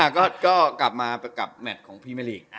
ก็กลับมากับแมทของพรีเมอร์ลีก